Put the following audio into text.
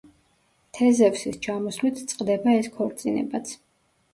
თეზევსის ჩამოსვლით წყდება ეს ქორწინებაც.